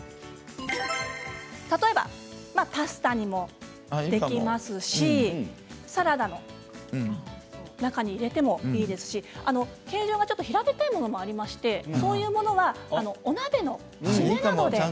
例えばパスタにもできますしサラダの中に入れてもいいですし形状が平べったいものもあってそういうものはお鍋の締めなどで。